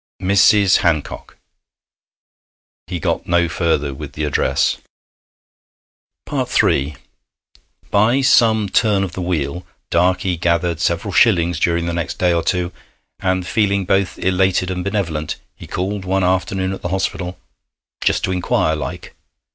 'Mrs. Hancock ' He got no further with the address. III By some turn of the wheel, Darkey gathered several shillings during the next day or two, and, feeling both elated and benevolent, he called one afternoon at the hospital, 'just to inquire like.'